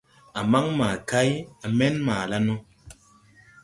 A man maa kay, a men maa la no.